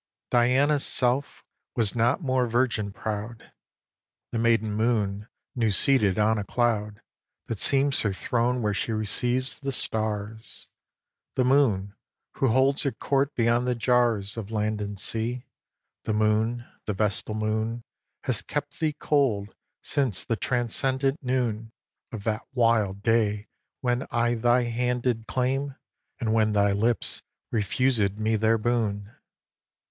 xix. Diana's self was not more virgin proud. The maiden moon, new seated on a cloud That seems her throne where she receives the stars, The moon who holds her court beyond the jars Of land and sea, the moon, the vestal moon, Has kept thee cold since the transcendant noon Of that wild day when I thy hand did claim, And when thy lips refusèd me their boon.